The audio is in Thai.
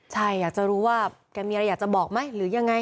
ใช่อยากจะรู้ว่าแกมีอะไรอยากจะบอกไหมหรือยังไง